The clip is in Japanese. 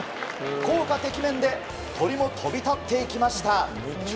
効果てきめんで鳥も飛び立っていきました。